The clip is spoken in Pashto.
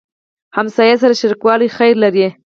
ګاونډي سره شریکوالی خیر لري